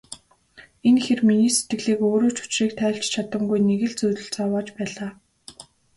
Энэ хэр миний сэтгэлийг өөрөө ч учрыг тайлж чадамгүй нэг л зүйл зовоож байлаа.